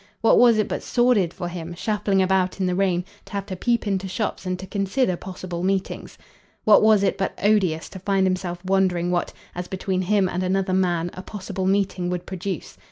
What was it but sordid for him, shuffling about in the rain, to have to peep into shops and to consider possible meetings? What was it but odious to find himself wondering what, as between him and another man, a possible meeting would produce?